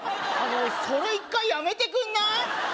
あのそれ１回やめてくんない？